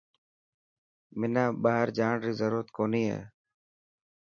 حنا ٻاهر جاڻ ري ضرورت ڪونهي هي.